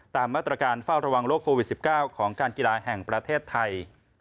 ตามมาตรการเฝ้าระวังโรคโควิด๑๙ของการกีฬาแห่งประเทศไทย